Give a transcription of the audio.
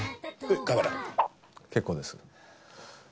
結構です。